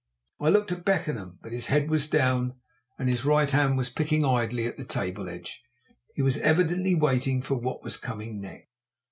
I looked at Beckenham, but his head was down and his right hand was picking idly at the table edge. He was evidently waiting for what was coming next.